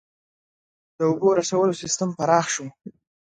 • د اوبو رسولو سیستم پراخ شو.